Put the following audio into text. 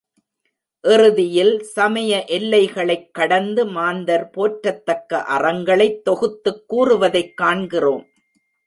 இறுதியில் சமய எல்லைகளைக் கடந்து மாந்தர் போற்றத்தக்க அறங்களைத் தொகுத்துக் கூறுவதைக் காண்கிறோம்.